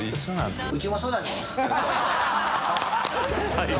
最高。